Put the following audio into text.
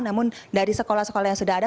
namun dari sekolah sekolah yang sudah ada